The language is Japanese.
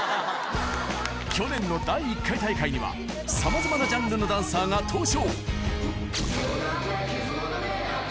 去年の第１回大会にはさまざまなジャンルのダンサーが登場